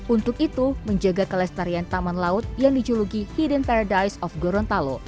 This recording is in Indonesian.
untuk itu menjaga kelestarian taman laut yang dijuluki hidden paradise of gorontalo